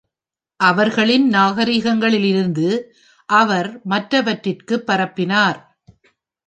அவர்களின் நாகரிகங்களிலிருந்து அவர் மற்றவற்றிற்கு பரப்பினார்.